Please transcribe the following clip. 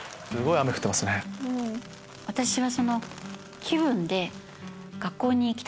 私は。